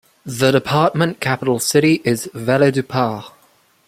The department capital city is Valledupar.